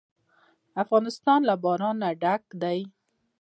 افغانستان له باران ډک دی.